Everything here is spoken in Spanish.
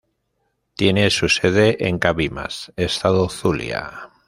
Tiene su sede en Cabimas, estado Zulia.